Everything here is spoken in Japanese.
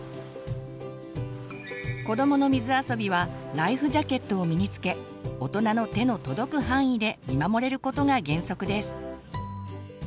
子どもの水あそびはライフジャケットを身に着けおとなの手の届く範囲で見守れることが原則です。